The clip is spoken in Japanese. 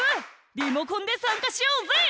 リモコンでさんかしようぜ！